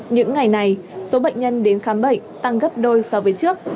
những ngày này số bệnh nhân đến khám bệnh tăng gấp đôi so với trước